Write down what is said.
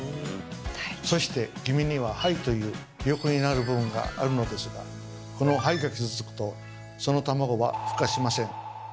そして黄身には「胚」というヒヨコになる部分があるのですがこの胚が傷つくとその卵はふ化しません。